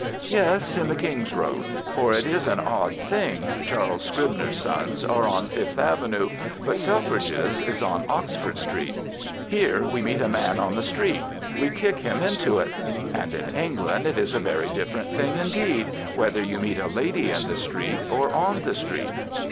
Yes, in the King's Road. For, it is an odd thing, Charles Scribner's Sons are on Fifth Avenue, but Selfridge's is in Oxford Street. Here we meet a man on the street; we kick him into it. And in England it is a very different thing, indeed, whether you meet a lady in the street or on the street.